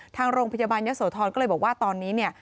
ทางโรงพยาบาลยักษ์โสธรก็เลยบอกว่าตอนนี้